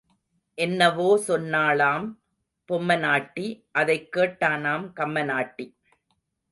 என்னவோ சொன்னாளாம் பொம்மனாட்டி அதைக் கேட்டானாம் கம்மனாட்டி.